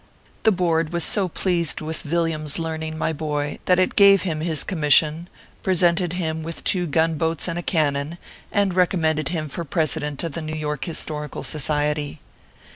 The Board was so pleased with Villiam s learning, ray boy, that it gave him his commission, presented him with two gun boats and a cannon, and recom 130 ORPHEUS C. KERR PAPERS. mended him for President of the New York Histor ical Society.